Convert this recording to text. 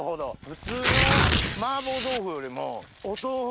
普通の麻婆豆腐よりもお豆腐